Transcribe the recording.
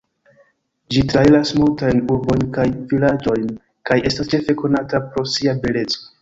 Ĝi trairas multajn urbojn kaj vilaĝojn kaj estas ĉefe konata pro sia beleco.